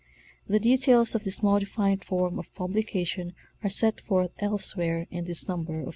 The details of this modified form of publication are set forth elsewhere in this number of the Magazine.